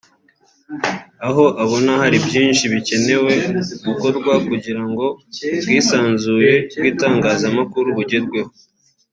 aho abona hari byinshi bikenewe gukorwa kugirango ubwisanzure bw’itangazamakuru bugerweho